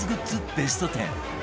ベスト１０